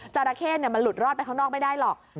จราเข้มันหลุดรอดไปข้างนอกไม่ได้หรอก